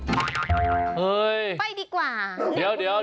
เฮ้ยไปดีกว่า